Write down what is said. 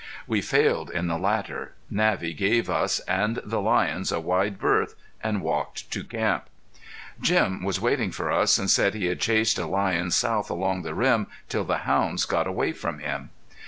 We failed in the latter. Navvy gave us and the lions a wide berth, and walked to camp. Jim was waiting for us, and said he had chased a lion south along the rim till the hounds got away from him.